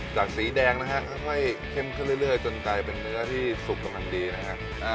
สีแดงนะฮะค่อยเข้มขึ้นเรื่อยจนกลายเป็นเนื้อที่สุกกำลังดีนะฮะ